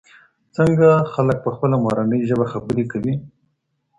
څنګه خلګ په خپله مورنۍ ژبه خبري کوي؟